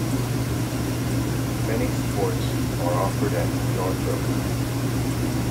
Many sports are offered at Northrop.